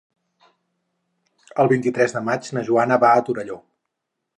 El vint-i-tres de maig na Joana va a Torelló.